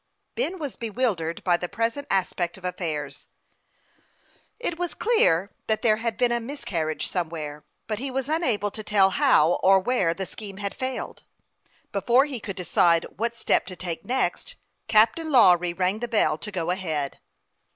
Ben was bewildered by the present aspect of af fairs. It was clear that there had been a miscarriage somewhere ; but he was unable to tell how or where the scheme had failed. Before he could decide what step to take next, Captain Lawry rang the bell to go ahead.